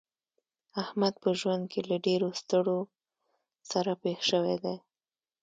احمد په ژوند کې له ډېرو ستړو سره پېښ شوی دی.